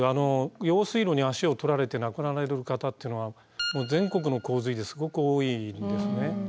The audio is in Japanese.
用水路に足を取られて亡くなられる方っていうのは全国の洪水ですごく多いんですね。